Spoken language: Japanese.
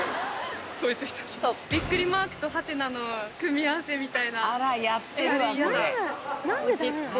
ビックリマークとハテナの組み合わせみたいなあれ嫌だ。